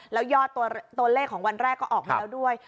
แล้วยอดตัวเลขของวันแรกก็ออกมาแล้วด้วย